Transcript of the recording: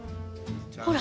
ほら。